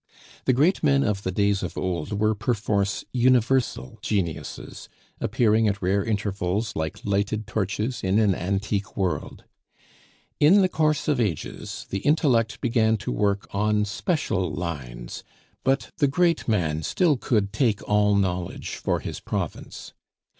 The great men of the days of old were perforce universal geniuses, appearing at rare intervals like lighted torches in an antique world. In the course of ages the intellect began to work on special lines, but the great man still could "take all knowledge for his province."